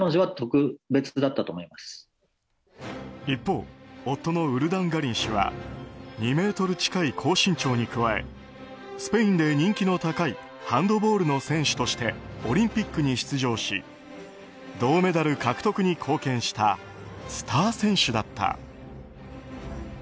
一方、夫のウルダンガリン氏は２ｍ近い高身長に加えスペインで人気の高いハンドボールの選手としてオリンピックに出場し銅メダル獲得に貢献したスター選手だった。